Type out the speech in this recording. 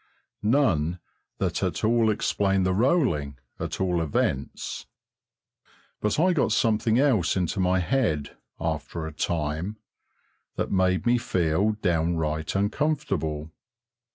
None that at all explained the rolling, at all events. But I got something else into my head, after a time, that made me feel downright uncomfortable.